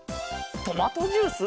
トマトジュース？